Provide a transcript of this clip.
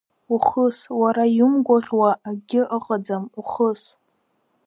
Ухыс, уара иумгәаӷьуа акгьы ыҟаӡам, ухыс.